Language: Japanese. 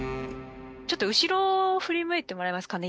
ちょっと後ろを振り向いてもらえますかね？